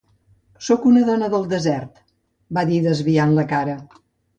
"Soc una dona del desert" va dir desviant la cara.